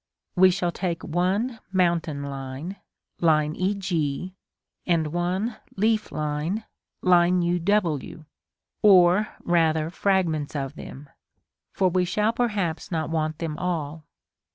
We shall take one mountain line (e g) and one leaf line (u w), or rather fragments of them, for we shall perhaps not want them all.